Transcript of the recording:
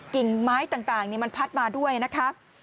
กิ่งไม้ต่างมันพัดมาด้วยนะคะ